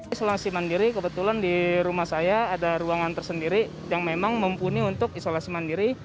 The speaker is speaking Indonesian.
isolasi mandiri kebetulan di rumah saya ada ruangan tersendiri yang memang mumpuni untuk isolasi mandiri